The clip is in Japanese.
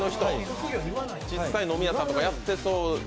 実際飲み屋さんとかやってそう。